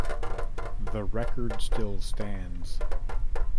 The record still stands.